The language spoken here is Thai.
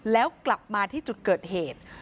แล้วกลับมาที่จุดเกิดเหตุ